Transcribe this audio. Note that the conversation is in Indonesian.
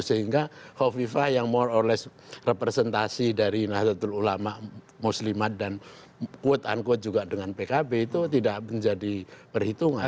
sehingga hovifa yang more or less representasi dari nahdlatul ulama muslimat dan quote unquote juga dengan pkb itu tidak menjadi perhitungan